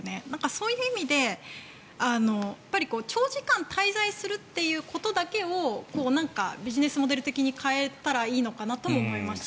そういう意味で長時間滞在することだけをビジネスモデルだけに変えたらいいのかなと思いました。